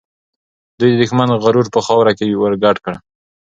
دوی د دښمن غرور په خاوره کې ورګډ کړ.